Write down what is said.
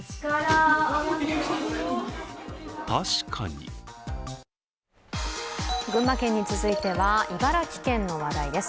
確かに群馬県に続いては茨城県の話題です。